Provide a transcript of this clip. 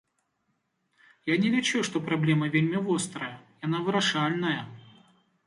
Я не лічу, што праблема вельмі вострая, яна вырашальная.